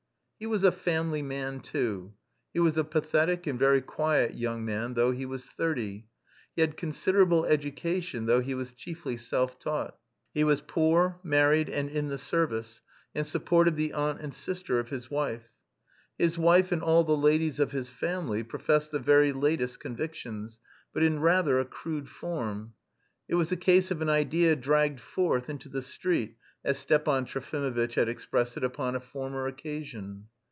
He was a "family man" too. He was a pathetic and very quiet young man though he was thirty; he had considerable education though he was chiefly self taught. He was poor, married, and in the service, and supported the aunt and sister of his wife. His wife and all the ladies of his family professed the very latest convictions, but in rather a crude form. It was a case of "an idea dragged forth into the street," as Stepan Trofimovitch had expressed it upon a former occasion.